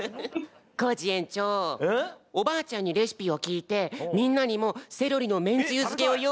コージ園長おばあちゃんにレシピをきいてみんなにもセロリのめんつゆづけをよういしたよ！